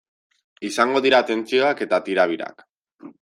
Izango dira tentsioak eta tirabirak.